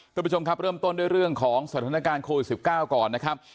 คุณผู้ชมครับเริ่มต้นด้วยเรื่องของสถานการณ์โควิด๑๙ก่อนนะครับ